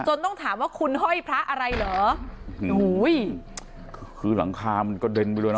ต้องถามว่าคุณห้อยพระอะไรเหรอโอ้โหคือหลังคามันกระเด็นไปเลยนะ